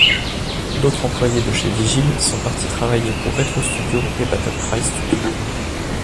D'autres employés de chez Vigil sont partis travailler pour Retro Studios et Battlecry Studios.